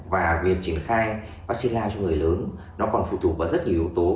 và việc triển khai vaccine lao cho người lớn nó còn phụ thuộc vào rất nhiều yếu tố